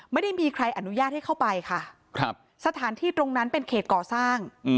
ไม่ได้มีใครอนุญาตให้เข้าไปค่ะครับสถานที่ตรงนั้นเป็นเขตก่อสร้าง